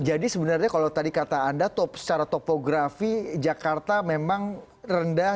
jadi sebenarnya kalau tadi kata anda secara topografi jakarta memang rendah